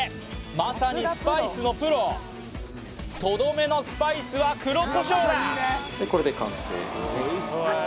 まさにスパイスのプロとどめのスパイスは黒胡椒これで完成ですね